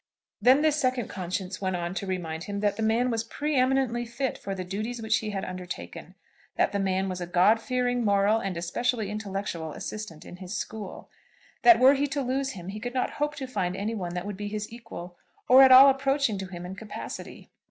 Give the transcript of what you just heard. Then this second conscience went on to remind him that the man was pre eminently fit for the duties which he had undertaken, that the man was a God fearing, moral, and especially intellectual assistant in his school, that were he to lose him he could not hope to find any one that would be his equal, or at all approaching to him in capacity.